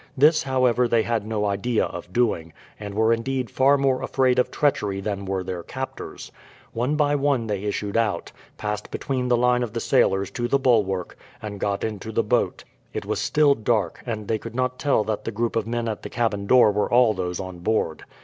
This, however, they had no idea of doing, and were indeed far more afraid of treachery than were their captors. One by one they issued out, passed between the line of the sailors to the bulwark, and got into the boat. It was still dark, and they could not tell that the group of men at the cabin door were all those on board.